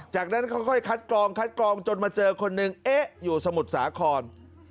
จากนั้นค่อยคัดกรองจนมาเจอคนหนึ่งอยู่สมุดสาคร